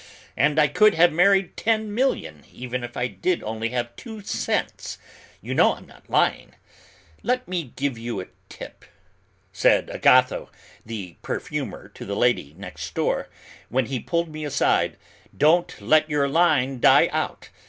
And I could have married ten million, even if I did only have two cents: you know I'm not lying! 'Let me give you a tip,' said Agatho, the perfumer to the lady next door, when he pulled me aside: 'don't let your line die out!